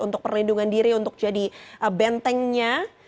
untuk perlindungan diri untuk jadi bentengnya